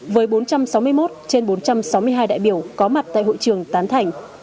với bốn trăm sáu mươi một trên bốn trăm sáu mươi hai đại biểu có mặt tại hội trường tán thành